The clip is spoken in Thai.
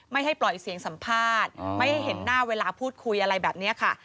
ไม่ให้ปล่อยเสียงสัมภาษณ์ไม่ให้เห็นหน้าเวลาพูดคุยอะไรแบบนี้ค่ะ